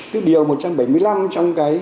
tức điều một trăm bảy mươi năm trong cái